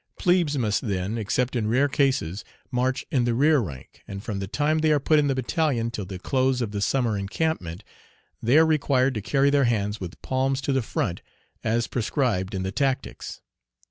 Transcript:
Plebes must then, except in rare cases, march in the rear rank, and from the time they are put in the battalion till the close of the summer encampment, they are required to carry their hands with palms to the front as prescribed in the tactics.